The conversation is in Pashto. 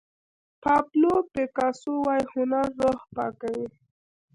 پابلو پیکاسو وایي هنر روح پاکوي.